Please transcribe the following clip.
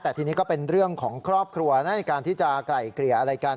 แต่ทีนี้ก็เป็นเรื่องของครอบครัวในการที่จะไกล่เกลี่ยอะไรกัน